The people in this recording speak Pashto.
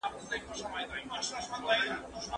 جرئت انسان ته طالع ورکوي.